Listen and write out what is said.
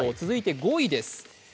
続いて５位です。